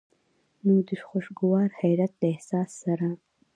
نو د خوشګوار حېرت د احساس سره